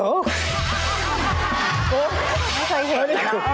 โอ้โฮไม่เคยเห็นนะ